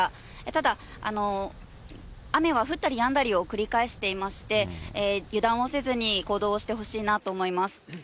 ただ、雨は降ったりやんだりを繰り返していまして、油断をせずに行動をしてほしいなと思います。